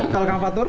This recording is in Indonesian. kalau kak fatur